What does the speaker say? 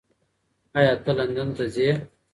ایا ته لندن ته ځې؟